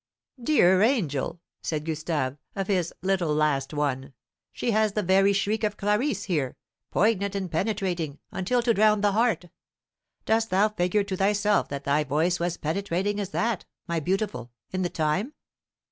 "Dear angel," said Gustave, of his "little last one," "she has the very shriek of Clarice here, poignant and penetrating, until to drown the heart. Dost thou figure to thyself that thy voice was penetrating as that, my beautiful, in the time?"